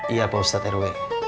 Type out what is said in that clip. iya pak ustadz rw